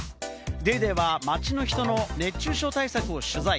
『ＤａｙＤａｙ．』は、街の人の熱中症対策を取材。